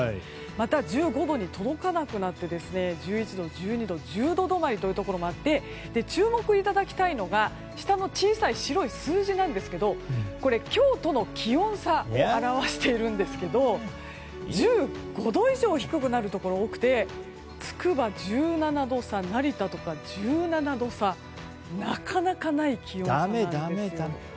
また１５度に届かなくなって１１度、１２度１０度止まりのところもあって注目いただきたいのが下の小さい白い数字なんですがこれ、今日との気温差を表しているんですが１５度以上低くなるところが多くてつくば１７度差成田とか１７度差なかなかない気温差なんです。